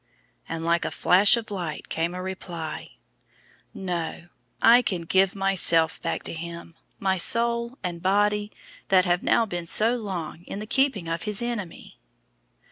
And like a flash of light came a reply: "No, I can give myself back to Him, my soul and body, that have now been so long in the keeping of His enemy."